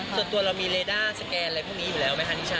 ส่วนตัวเรามีเลด้าสแกนอะไรพวกนี้อยู่แล้วไหมคะนิชา